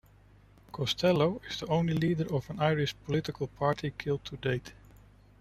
Costello is the only leader of an Irish political party killed to date.